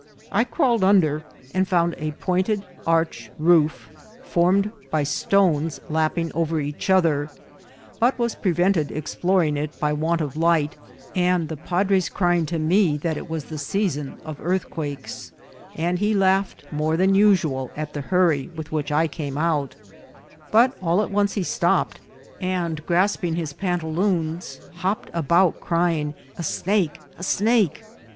I crawled under, and 188 INCIDENTS OF TRAVEL. found a pointed arch roof formed by stones lapping over each other, but was prevented exploring it by want of light, and the padre's crying to me that it was the season of earthquakes ; and he laughed more than usual at the hurry with which I came out ; but all at once he stopped, and grasping his pantaloons, hopped about, crying, "a snake, a snake."